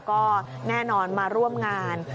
ก็แน่นอนมาร่วมงาน